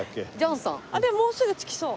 あっでももうすぐ着きそう。